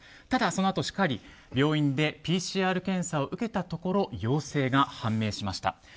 ただ、そのあとしっかり病院でＰＣＲ検査を受けたところ陽性が判明しました。